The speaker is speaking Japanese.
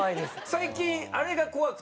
最近あれが怖くて。